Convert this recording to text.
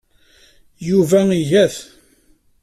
Yuba iga-t.